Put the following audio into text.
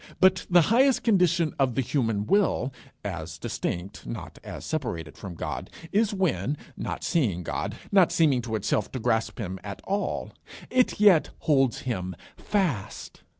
But the highest condition of the Human Will, as distinct, not as separated from God, is when, not seeing God, not seeming to itself to grasp him at all, it yet holds him fast.